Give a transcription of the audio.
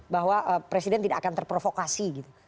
bahwa presiden tidak akan terprovokasi gitu